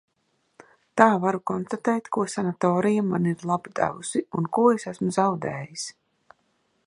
Tā varu konstatēt ko sanatorija man ir labu devusi un ko es esmu zaudējis.